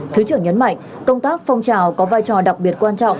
thứ trưởng nhấn mạnh công tác phong trào có vai trò đặc biệt quan trọng